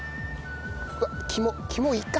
うわっ肝肝いいか。